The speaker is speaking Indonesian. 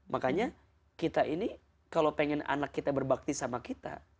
makanya kita ini kalau pengen anak kita berbakti sama kita